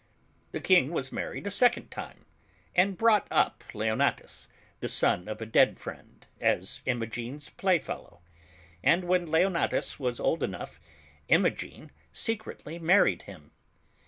The King married a second time, and brought up Leon atus, the son of a dead friend, as Imogen's playfellow; and when Leonatus was old enough, Imogen secretly married him.